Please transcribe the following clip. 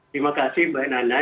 terima kasih mbak nana